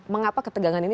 mengapa ketegangan ini